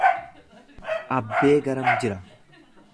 Abbee garam jira?